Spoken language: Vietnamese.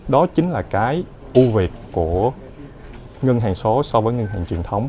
đó chính là cái ưu việt của ngân hàng số so với ngân hàng truyền thống